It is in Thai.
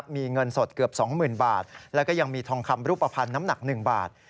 มีเงินสดเกือบ๒๐๐๐บาทแล้วก็ยังมีทองคำรูปภัณฑ์น้ำหนัก๑บาท